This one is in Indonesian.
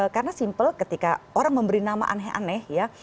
karena simpel ketika orang memberi nama aneh aneh ya